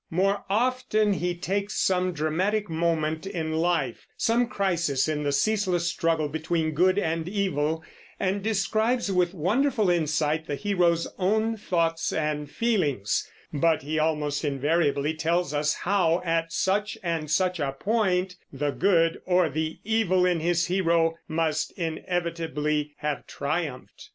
More often he takes some dramatic moment in life, some crisis in the ceaseless struggle between good and evil, and describes with wonderful insight the hero's own thoughts and feelings; but he almost invariably tells us how, at such and such a point, the good or the evil in his hero must inevitably have triumphed.